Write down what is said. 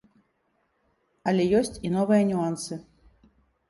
Але ёсць і новыя нюансы.